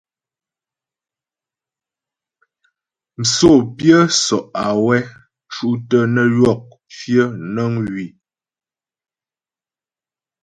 Msǒ pyə́ sɔ’ awɛ ́ cú’ tə́ nə ywɔk fyə̌ nəŋ wii.